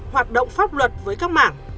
hoạt động pháp luật với các mảng